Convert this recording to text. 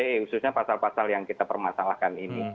khususnya pasal pasal yang kita permasalahkan ini